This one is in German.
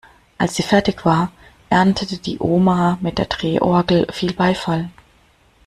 Als sie fertig war, erntete die Oma mit der Drehorgel viel Beifall.